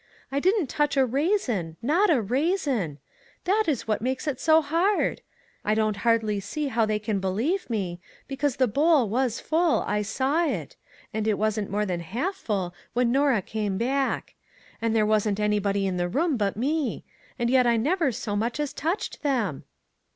I didn't touch a raisin ; not a raisin ! That is what makes it so hard. I don't hardly see how they can believe me; because the bowl was full I saw it; and it wasn't more than half full when Norah came back; and there wasn't anybody in the room but me; and yet I never so much as touched them